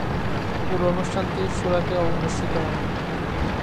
পুরো অনুষ্ঠানটি সুরাটে অনুষ্ঠিত হয়।